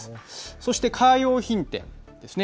そしてカー用品店ですね。